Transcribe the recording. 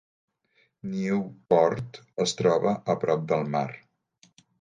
Nieuwpoort es troba a prop del mar.